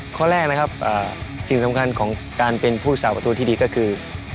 ข้อแรกนะครับสิ่งสำคัญของการเป็นผู้สาวประตูที่ดีก็คือ